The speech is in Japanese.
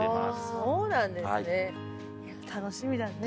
そうなんですね。